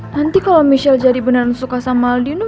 nanti kalau michelle jadi beneran suka sama aldino